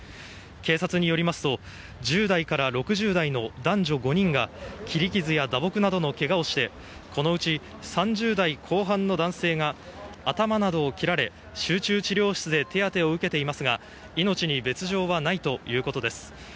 警察によりますと１０代から６０代の男女５人が切り傷や打撲などのけがをして、このうち３０代後半の男性が頭などを切られ集中治療室で手当てを受けていますが、命に別条はないということです。